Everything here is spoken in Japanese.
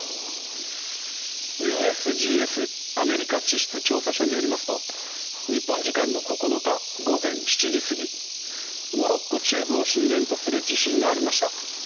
ＵＳＧＳ・アメリカ地質調査所によりますと日本時間の９日午前７時過ぎモロッコ中部を震源とする地震がありました。